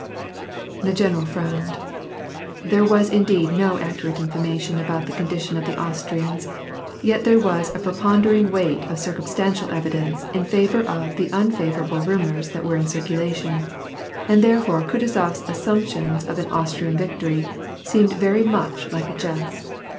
The general frowned. There was indeed no accurate infor mation about the condition of the Austrians, yet there was a preponderating weight of circumstantial evidence in favor of the unfavorable rumors that were in circulation, and therefore Kutuzof s assumption of an Austrian victory, seemed very much like a jest.